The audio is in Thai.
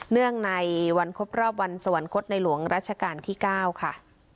เนื่องในวันครบรอบวันสวรรคตในหลวงรัชกาลที่๙ค่ะ